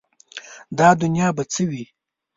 دا دنیا به څه وي ؟